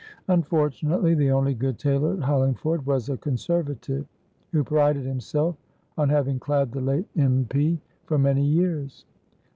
Unfortunately the only good tailor at Hollingford was a Conservative, who prided himself on having clad the late M. P. for many years.